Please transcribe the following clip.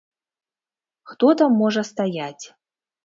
Хто там можа стаяць.